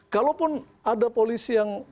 kalaupun ada polisi yang